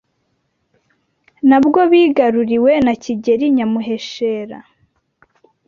Nabwo bigaruriwe na Kigeli Nyamuheshera